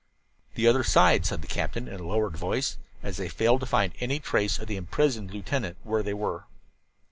"The other side," said the captain in a lowered voice, as they failed to find any trace of the imprisoned lieutenant where they were.